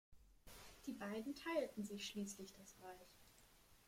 Die beiden teilten sich schließlich das Reich.